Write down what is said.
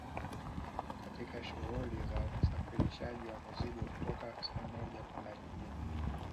katika shughuli za usafirishaji wa mizigo kutoka sehemu moja kwenda nyingine